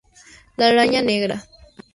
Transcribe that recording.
La araña negra.